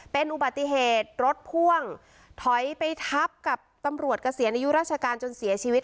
เป็นอุบัติเหตุรถพ่วงถอยไปทับกับตำรวจเกษียณอายุราชการจนเสียชีวิต